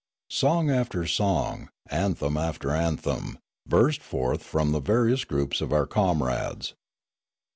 Song after song, anthem after anthem, burst forth from the various groups of our comrades.